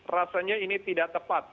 rasanya ini tidak tepat